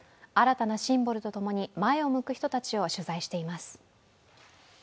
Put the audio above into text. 新たなシンボルとともに前を向く人たちを取材しています。